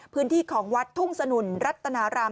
พื้นที่ของวัดทุ่งสนุนรัตนาราม